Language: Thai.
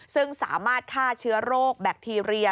ซึ่งสามารถฆ่าเชื้อโรคแบคทีเรีย